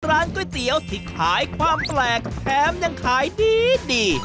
ร้านก๋วยเตี๋ยวที่ขายความแปลกแถมยังขายดี